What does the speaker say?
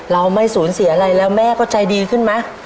เราไม่สูญเสียอะไรแล้วแม่ก็ใจดีขึ้นไหม